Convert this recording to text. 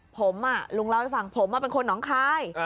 ผมลุงเล่าให้ฟังผมเป็นคนหนองคาย